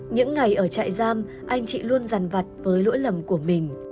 những ngày ở chạy giam anh chị luôn rằn vặt với lỗi lầm của mình